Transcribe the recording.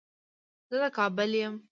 زه د کابل يم